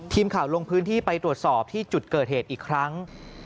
ทีมข่าวลงพื้นที่ไปตรวจสอบที่จุดเกิดเหตุอีกครั้ง